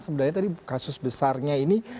sebenarnya tadi kasus besarnya ini